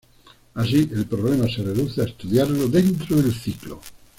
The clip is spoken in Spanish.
Así, el problema se reduce a estudiarlo dentro del ciclo.